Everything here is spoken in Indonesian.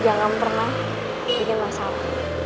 jangan pernah bikin masalah